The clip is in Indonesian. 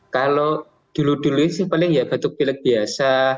kalau dulu dulu sih paling ya batuk pilek biasa